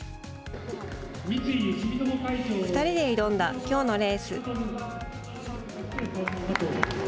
２人で挑んだきょうのレース。